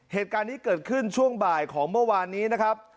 เหตุการณ์นี้เกิดขึ้นช่วงบ่ายของเมื่อวานนี้นะครับ